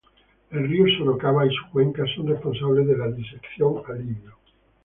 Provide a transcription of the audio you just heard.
El río Sorocaba y su cuenca son responsables de la disección alivio.